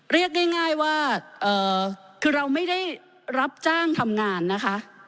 เรียกง่ายว่าคือเราไม่ได้รับจ้างทำงานนะคะ